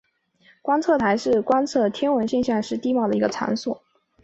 观测台是观测天文现象或是地貌的一个场所。